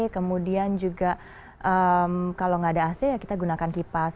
kemudian juga kalau nggak ada ac ya kita gunakan kipas